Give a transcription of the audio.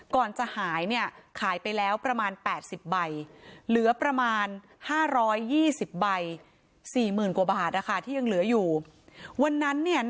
ก่อนจะหายเนี่ยขายไปแล้วประมาณแปดสิบใบ